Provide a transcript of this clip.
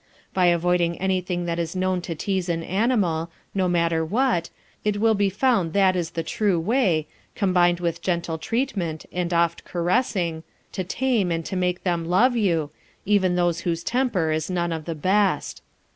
By avoiding anything that is known to tease an animal, no matter what, it will be found that is the true way, combined with gentle treatment and oft caressing, to tame and to make them love you, even those whose temper is none of the best.